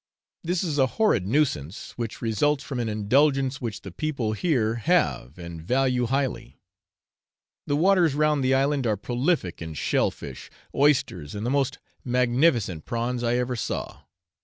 This is a horrid nuisance, which results from an indulgence which the people here have and value highly; the waters round the island are prolific in shell fish, oysters, and the most magnificent prawns I ever saw.